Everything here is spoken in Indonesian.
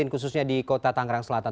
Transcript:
khususnya di kota tangerang selatan